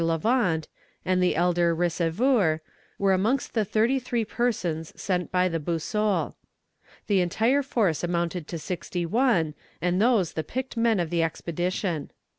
Lavant, and the elder Receveur, were amongst the thirty three persons sent by the Boussole. The entire force amounted to sixty one, and those the picked men of the expedition.